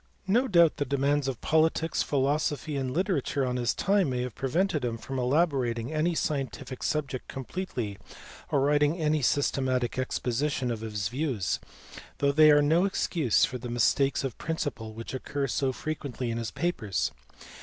No doubt the demands of politics, philosophy, and literature on his time may have prevented him from elaborating any scientific subject completely or writing any systematic exposition of his views, though they are no excuse for the mistakes of principle which occur so frequently in his papers.